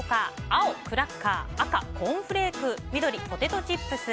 青、クラッカー赤、コーンフレーク緑、ポテトチップス。